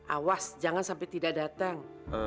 awas jangan sampai tidak datang